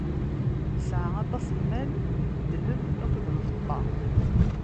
Isɛa aṭas n lmal, n ddheb akked lfeṭṭa.